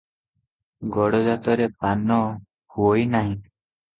ଗଡ଼ଜାତରେ ପାନ ହୁଅଇ ନାହିଁ ।